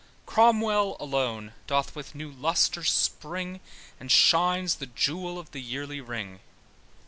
Cromwell alone doth with new lustre spring, And shines the jewel of the yearly ring.